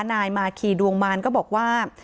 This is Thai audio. นายมาคีดวงมารก็บอกว่า